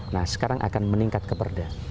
nah sekarang akan meningkat ke perda